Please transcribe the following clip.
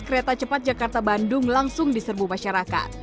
kereta cepat jakarta bandung langsung diserbu masyarakat